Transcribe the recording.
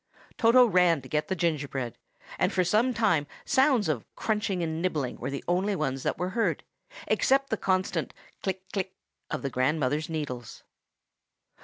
Toto ran to get the gingerbread; and for some time sounds of crunching and nibbling were the only ones that were heard, except the constant "click, click," of the grandmother's needles.